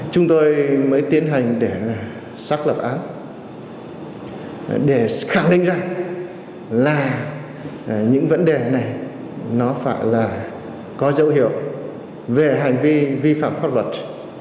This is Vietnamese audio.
chúng tôi mới tiến hành để xác lập án để khẳng định ra là những vấn đề này nó phải là có dấu hiệu về hành vi vi phạm pháp luật